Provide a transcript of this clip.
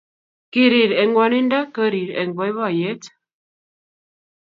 Kirir eng gwoninfo korir eng boiboiyet